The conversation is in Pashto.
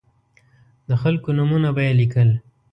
د خلکو نومونه به یې لیکل.